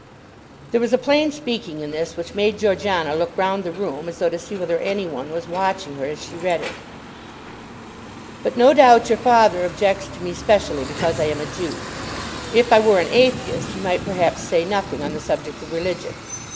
There was a plain speaking in this which made Georgiana look round the room as though to see whether any one was watching her as she read it. But no doubt your father objects to me specially because I am a Jew. If I were an atheist he might, perhaps, say nothing on the subject of religion.